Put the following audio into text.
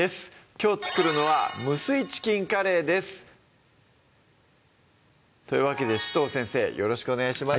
きょう作るのは「無水チキンカレー」ですというわけで紫藤先生よろしくお願いします